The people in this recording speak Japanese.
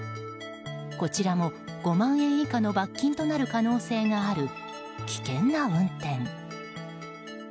こちらも５万円以下の罰金となる可能性がある危険な運転。